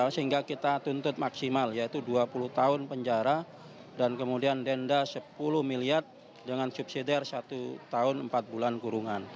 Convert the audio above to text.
sehingga kita tuntut maksimal yaitu dua puluh tahun penjara dan kemudian denda sepuluh miliar dengan subsidi satu tahun empat bulan kurungan